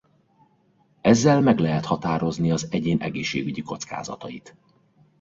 Ezzel meg lehet határozni az egyén egészségügyi kockázatait.